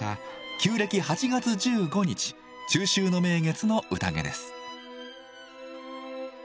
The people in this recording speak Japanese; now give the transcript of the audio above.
旧暦８月１５日中秋の名月の宴です。